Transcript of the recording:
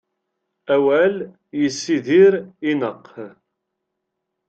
Awal yessidir ineqq.